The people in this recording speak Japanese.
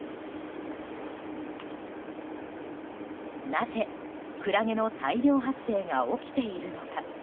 なぜ、クラゲの大量発生が起きているのか。